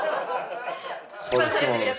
出版されてるやつ。